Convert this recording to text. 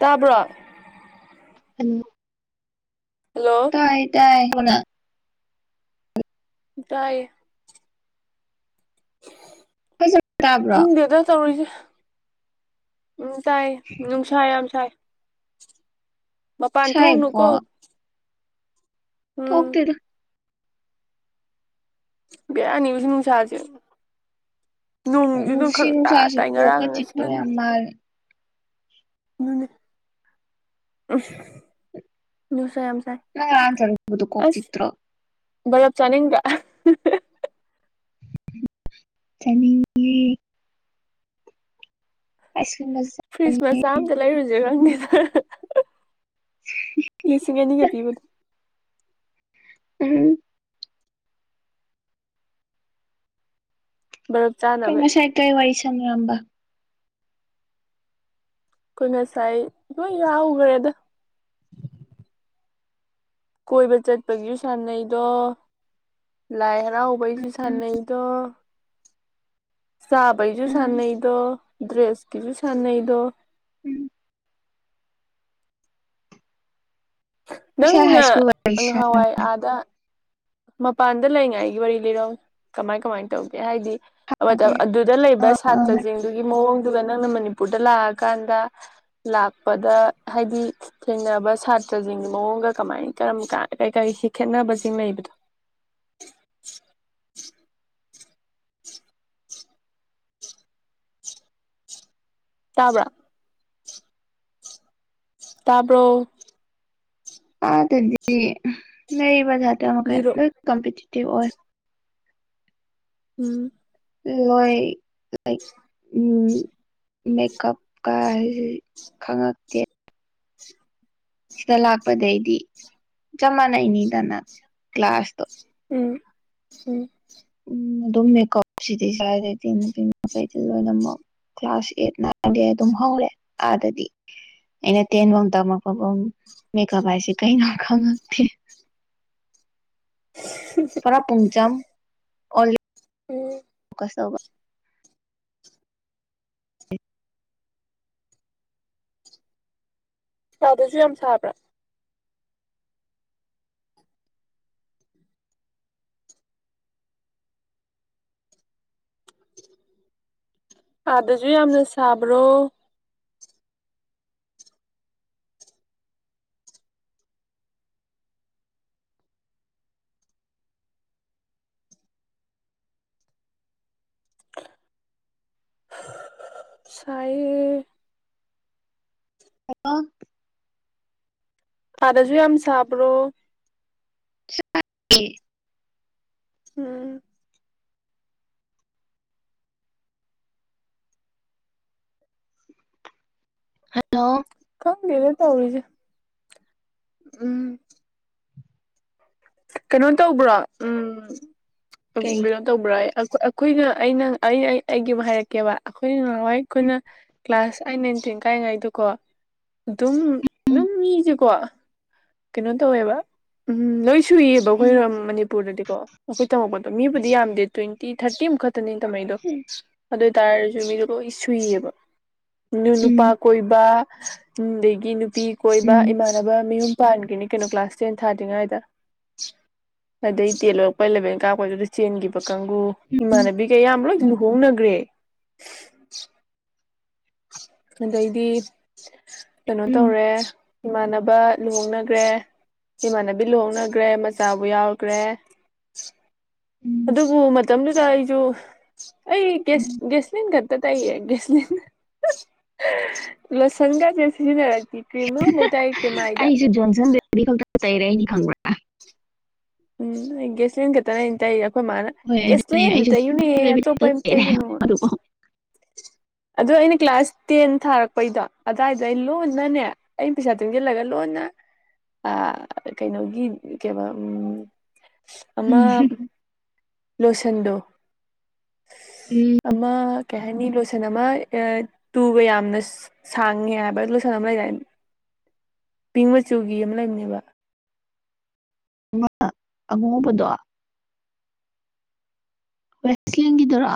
ꯇꯥꯕ꯭ꯔꯣ ꯎꯝ ꯍꯜꯂꯣ ꯏ ꯇꯥꯏ ꯍꯨꯅ ꯇꯥꯏꯌꯦ ꯐꯖꯅ ꯇꯥꯕ꯭ꯔꯣ ꯈꯪꯗꯦꯗ ꯇꯧꯔꯤꯁꯦ ꯎꯝ ꯇꯥꯏ ꯅꯨꯡꯁꯥ ꯌꯥꯝ ꯁꯥꯏ ꯃꯄꯥꯟ ꯊꯣꯛꯎꯅꯨ ꯁꯥꯏꯀꯣ ꯀꯣ ꯊꯣꯛꯇꯦꯗ ꯕꯦꯔꯥꯅꯤꯀꯣ ꯉꯁꯤ ꯅꯨꯡꯁꯥ ꯖꯦ ꯅꯣꯡꯖꯨ ꯑꯗꯨꯝꯈꯛ ꯇꯥ ꯇꯥꯏ ꯉꯔꯥꯡ ꯑꯁꯤꯅꯅꯤ ꯃꯥ [unintelligible] ꯎ ꯅꯨꯡꯁꯥ ꯌꯥꯝꯁꯥꯏ ꯅꯪ ꯉꯔꯥꯡ [unintelligible] ꯆꯤꯛꯇ꯭ꯔꯣ ꯕꯔꯞ ꯆꯅꯤꯡꯗ꯭ꯔꯣ ꯆꯅꯤꯡ ꯌꯦ ꯑꯩꯁꯨ ꯃꯖꯦ ꯐ꯭ꯔꯤꯖ ꯃꯆꯥ ꯑꯃꯗ ꯂꯩꯔꯨꯁꯦ ꯈꯪꯗꯦꯗ ꯂꯤꯁꯤꯡ ꯑꯅꯤꯒ ꯄꯤꯕꯅꯦ ꯎꯝ ꯕꯔꯞ ꯆꯥ ꯀꯩ ꯉꯁꯥꯏ ꯀꯩ ꯋꯥꯔꯤ ꯁꯥꯅꯔꯝꯕ ꯑꯩꯈꯣꯏ ꯉꯁꯥꯏ ꯂꯣꯏ ꯌꯥꯎꯈ꯭ꯔꯦꯗ ꯀꯣꯏꯕ ꯆꯠꯄꯒꯤꯁꯨ ꯁꯥꯟꯅꯩꯗꯣ ꯂꯥꯏ ꯍꯔꯥꯎꯕꯒꯤꯁꯨ ꯎꯝ ꯁꯥꯟꯅꯩꯗꯣ ꯆꯥꯕꯒꯤꯁꯨ ꯎꯝ ꯁꯥꯟꯅꯩꯗꯣ ꯗ꯭ꯔꯦꯁꯀꯤꯁꯨ ꯁꯥꯟꯅꯩꯗꯣ ꯎꯝ ꯉꯁꯥꯏ ꯍꯥꯏ ꯅꯪꯅ ꯁ꯭ꯀꯨꯜ ꯋꯥꯔꯤ ꯁꯥꯟꯅꯔꯦ ꯍꯥꯟꯋꯥꯏ ꯑꯥꯗ ꯃꯄꯥꯟꯗ ꯂꯩꯉꯥꯏꯒꯤ ꯋꯥꯔꯤ ꯂꯤꯔꯛꯎꯅꯦ ꯀꯃꯥꯏ ꯀꯃꯥꯏꯅ ꯇꯧꯒꯦ ꯍꯥꯏꯗꯤ ꯃꯇꯝ ꯑꯗꯨ ꯗ ꯂꯩꯕ ꯑꯥ ꯑꯥ ꯁꯥꯇ꯭ꯔꯖꯤꯡꯗꯨꯒꯤ ꯃꯑꯣꯡꯗꯨꯗ ꯅꯪꯅ ꯃꯅꯤꯄꯨꯔꯗ ꯂꯥꯛꯑꯀꯥꯟꯗ ꯂꯥꯛꯄꯗ ꯍꯥꯏꯗꯤ ꯊꯦꯡꯅꯕ ꯁꯥꯇ꯭ꯔꯖꯤꯡꯒꯤ ꯃꯑꯣꯡꯒ ꯀꯃꯥꯏꯟ ꯀꯔꯝ ꯀꯥꯟ ꯀꯩ ꯀꯩꯁꯤ ꯈꯦꯠꯅꯕꯖꯤꯡ ꯂꯩꯕꯗꯣ [inaudible] ꯇꯥꯕ꯭ꯔꯥ ꯇꯥꯕ꯭ꯔꯣ ꯑꯥ ꯑꯗꯨꯗꯤ ꯅꯩꯕ ꯖꯥꯠꯇ ꯃꯈꯩ ꯂꯤꯔꯣ ꯂꯣꯏ ꯀꯝꯄꯤꯇꯤꯇꯤꯚ ꯑꯣꯏ ꯎꯝ ꯂꯣꯏ ꯂꯥꯏꯛ ꯎꯝ ꯃꯦꯀꯞ ꯀ ꯍꯥꯏꯖꯤꯗꯤ ꯈꯪꯉꯛꯇꯦ ꯁꯤꯗ ꯂꯥꯛꯄꯗꯩꯗꯤ ꯆꯞ ꯃꯥꯟꯅꯩꯅꯤꯗꯅ ꯀ꯭ꯂꯥꯁꯇꯣ ꯎꯝ ꯎꯝ ꯎꯝ ꯑꯗꯨꯝ ꯃꯦꯀꯞꯁꯤꯗꯤ ꯁꯥꯏꯗꯗꯤ ꯅꯨꯄꯤ ꯃꯈꯩꯗꯤ ꯂꯣꯏꯅꯃꯛ ꯀ꯭ꯂꯥꯁ ꯑꯦꯠ ꯅꯥꯏꯟꯗꯩ ꯑꯗꯨꯝ ꯍꯧꯔꯦ ꯑꯥꯗꯗꯤ ꯑꯩꯅ ꯇꯦꯟꯕꯪ ꯇꯝꯃꯛꯄꯕꯝ ꯃꯦꯀꯞ ꯍꯥꯏꯁꯤ ꯀꯩꯅꯣ ꯈꯪꯉꯛꯇꯦ ꯄꯨꯔꯥ ꯄꯨꯡꯆꯝ ꯑꯣ ꯎꯝ ꯀꯁ ꯇꯧꯕ ꯀꯥꯗꯖꯨ ꯌꯥꯝ ꯁꯥꯕ꯭ꯔꯥ ꯑꯥꯗꯖꯨ ꯌꯥꯝꯅ ꯁꯥꯕ꯭ꯔꯣ ꯁꯥꯏꯌꯦ ꯍꯜꯂꯣ ꯑꯥꯗꯖꯨ ꯌꯥꯝ ꯁꯥꯕ꯭ꯔꯣ [unintelligible] ꯎꯝ ꯍꯜꯂꯣ ꯈꯪꯗꯦꯗ ꯇꯧꯔꯤꯖꯦ ꯎꯝ ꯀꯩꯅꯣ ꯇꯧꯕ꯭ꯔꯣ ꯎꯝ ꯀꯩ [unintelligible] ꯇꯧꯕ꯭ꯥꯔꯌꯦ ꯑꯈꯣꯏ ꯑꯈꯣꯏꯅ ꯑꯩꯅ ꯑꯩꯩ ꯑꯩ ꯑꯩꯒꯤ ꯑꯃ ꯍꯥꯏꯔꯛꯀꯦꯕ ꯑꯈꯣꯏꯅ ꯉꯍꯥꯟꯋꯥꯏ ꯎꯝ ꯑꯈꯣꯏꯅ ꯀ꯭ꯂꯥꯁ ꯑꯥꯏꯠ ꯅꯥꯏꯟ ꯇꯦꯟ ꯀꯥꯔꯤꯉꯩꯗꯣꯀꯣ ꯑꯗꯨꯝ ꯑꯗꯨꯝ ꯃꯤꯖꯤꯀꯣ ꯀꯩꯅꯣ ꯇꯧꯋꯦꯕ ꯎꯝ ꯂꯣꯏ ꯁꯨꯏꯌꯦꯕ ꯑꯩꯈꯣꯏ ꯎꯝ ꯔꯣꯝ ꯃꯅꯤꯄꯨꯔꯗꯗꯤꯀꯣ ꯑꯩꯈꯣꯏ ꯇꯝꯃꯛꯄꯗ ꯃꯤꯕꯨꯗꯤ ꯌꯥꯝꯗꯦ ꯇꯣꯏꯟꯇꯤ ꯊꯥꯔꯇꯤꯃꯨꯛ ꯈꯛ ꯇꯅꯦ ꯇꯧꯅꯩꯗꯣ ꯎꯝ ꯑꯗꯨ ꯑꯣꯏꯇꯔꯖꯨ ꯃꯤꯗꯣ ꯂꯣꯏ ꯁꯨꯏꯌꯦꯕ ꯅꯨ ꯅꯨꯄꯥ ꯎꯝ ꯀꯣꯏꯕ ꯑꯗꯒꯤ ꯅꯨꯄꯤ ꯀꯣꯏꯕ ꯎꯝ ꯏꯃꯥꯟ ꯅꯕ ꯃꯥꯌꯨꯝ ꯄꯥꯟꯒ꯭ꯔꯤꯅꯤ ꯀꯩꯅꯣ ꯀ꯭ꯂꯥꯁ ꯇꯦꯟ ꯊꯥꯗ꯭ꯔꯤꯉꯥꯏꯗ ꯑꯗꯩ ꯇꯦꯟ ꯂꯣꯏꯔꯛꯄ ꯏꯂꯦꯚꯦꯟ ꯀꯥꯔꯛꯄꯗꯨꯗ ꯆꯦꯟꯒꯤꯕ ꯀꯥꯡꯒꯨ ꯏꯃꯥꯟꯅꯕꯤꯒꯩ ꯑꯌꯥꯝꯕ ꯂꯣꯏ ꯂꯨꯍꯣꯡꯅꯒ꯭ꯔꯦ [inaudible] ꯑꯗꯩꯗꯤ ꯀꯩꯅꯣ ꯎꯝ ꯎꯝ ꯇꯧꯔꯦ ꯏꯃꯥꯟꯅꯕ ꯂꯨꯍꯣꯡꯅꯒ꯭ꯔꯦ ꯏꯃꯥꯟꯅꯕꯤ ꯂꯨꯍꯣꯡꯅꯒ꯭ꯔꯦ ꯃꯆꯥꯕꯧ ꯌꯥꯎꯒ꯭ꯔꯦ ꯎꯝ ꯑꯗꯨꯕꯨ ꯃꯇꯝꯗꯨꯗ ꯑꯩꯖꯨ ꯑꯩ ꯒꯦꯁ ꯎꯝ ꯒꯦꯁꯂꯤꯟꯒ ꯇ ꯇꯩꯌꯦ ꯒꯦꯁꯂꯤꯟ ꯂꯣꯁꯟꯒꯖꯦ ꯁꯤꯖꯤꯅꯔꯛꯇꯦ ꯀ꯭ꯔꯤꯝ ꯑꯝꯕꯧ ꯇꯩꯔꯛꯇꯦ ꯃꯥꯏꯗ ꯖꯤ ꯖꯣꯟꯁꯟ ꯕꯦ [unintelligible] ꯈꯪꯕ꯭ꯔꯥ ꯎꯝ ꯒꯦꯁꯂꯤꯟ ꯈꯛꯇꯅꯤ ꯑꯩ ꯇꯩꯔꯤꯖꯦ ꯑꯩꯈꯣꯏ ꯃꯥꯅ ꯍꯣꯏ ꯑꯗꯨꯅꯦ ꯒꯦꯁꯂꯦꯟꯗꯣ ꯑꯩꯁꯨ ꯇꯩꯌꯨꯅꯦ ꯖꯣꯟꯁꯟ ꯕꯦꯕꯤ ꯑꯇꯣꯞꯄ ꯈꯛꯇ ꯇꯩꯔꯦ ꯇꯩꯩꯒꯅꯨ ꯑꯗꯨꯕꯨ [inaudible] ꯑꯗꯣ ꯑꯩꯅ ꯀ꯭ꯂꯥꯁ ꯇꯦꯟ ꯊꯥꯔꯛꯄꯩꯗꯣ ꯑꯗꯨꯋꯥꯏꯗ ꯑꯩ ꯂꯣꯟꯅꯅꯦ ꯑꯩꯅ ꯄꯩꯁꯥ ꯇꯨꯡꯖꯜꯂꯒ ꯂꯣꯟꯅ ꯑ ꯀꯩꯅꯣꯒꯤ ꯀꯩꯕ ꯎꯝ ꯎꯝ ꯑꯃ ꯂꯣꯁꯟꯗꯣ ꯎꯝ ꯑꯃ ꯀꯩ ꯍꯥꯏꯅꯤ ꯂꯣꯁꯟ ꯑꯃ ꯑ ꯇꯨꯒ ꯌꯥꯝꯅ ꯁꯥꯡꯉꯦ ꯍꯥꯏꯕ ꯂꯣꯁꯟ ꯑꯃ ꯂꯩꯗꯥꯏꯅꯦ ꯄꯤꯡ ꯃꯆꯨꯒꯤ ꯑꯃ ꯂꯩꯕꯅꯦꯕ ꯑꯃ ꯑꯃꯨꯕꯗꯣ ꯋꯦꯁꯂꯤꯟꯒꯤꯗꯨꯔꯣ